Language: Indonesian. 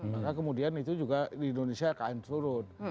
maka kemudian itu juga di indonesia akan turun